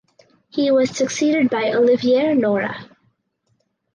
He was succeeded by Olivier Nora.